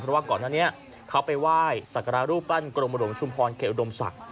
เพราะว่าก่อนหน้านี้เขาไปไหว้สักการะรูปปั้นกรมหลวงชุมพรเขตอุดมศักดิ์